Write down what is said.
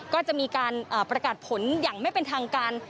ก็จะมีการประกาศผลอย่างไม่เป็นทางการ